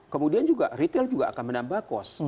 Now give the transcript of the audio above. kemudian juga retail juga akan menambah kos